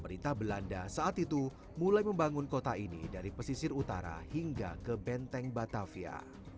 pemerintah belanda saat itu mulai membangun kota ini dari pesisir utara hingga ke benteng batavia